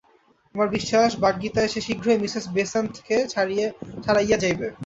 আমার বিশ্বাস, বাগ্মিতায় সে শীঘ্রই মিসেস বেস্যাণ্টকে ছাড়াইয়া যাইবে।